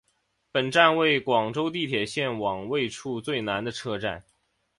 本站为广州地铁线网位处最南的车站。